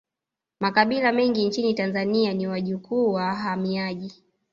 Makabila mengi nchini tanzania ni wajukuu wa wahamiaji